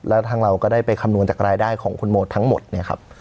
แล้วทางเราก็ได้ไปคำนวณจากรายได้ของคุณโมทั้งหมดเนี่ยครับ